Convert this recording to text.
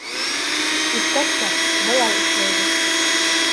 Иптәштәр, былай эшләйбеҙ.